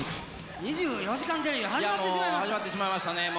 ２４時間テレビ、始まってし始まってしまいましたね。